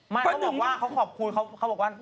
เขาบอกว่าเขาขอบคุณเขาบอกว่า